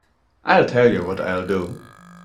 I'll tell you what I'll do.